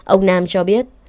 ông nam cho biết